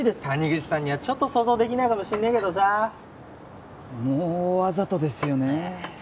タニグチさんにはちょっと想像できないかもしんねえけどさもうわざとですよね